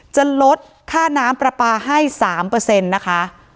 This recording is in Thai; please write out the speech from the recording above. จะลดค่าน้ำปลาปลาให้๓นะคะ